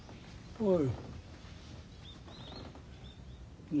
おい。